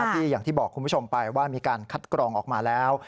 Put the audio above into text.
อย่างที่บอกคุณผู้ชมไปว่ามีการคัดกรองออกมาแล้ว